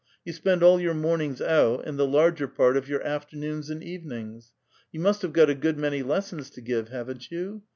You spend all your mornings out, and the larger part of your afternoons and evenings. You must have got a good many lessons to give, haven't you